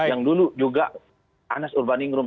yang dulu juga anas urbani ngerum